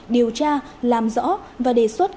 điều tra làm rõ và đề xuất